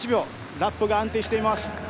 ラップが安定しています。